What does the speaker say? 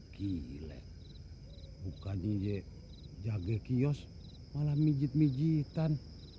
gile bukannya jaga kiosk malah mijit mijitan